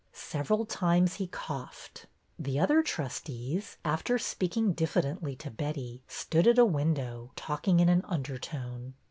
Several times he coughed. The other trustees, after speaking diffidently to Betty, stood at a window, talking in an undertone.